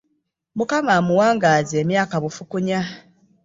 Mukama amuwangaaze emyaka bufukunya .